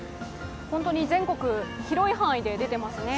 本当に全国、広い範囲で出ていますね。